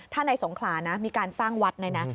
ถ้าในสงขลานะมีการสร้างวัดเลยนะ